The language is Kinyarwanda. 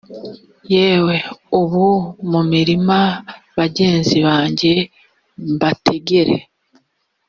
yewe uba mu mirima bagenzi banjye bategere